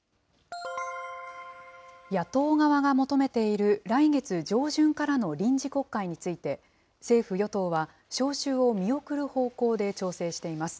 野党側が求めている、来月上旬からの臨時国会について、政府・与党は召集を見送る方向で調整しています。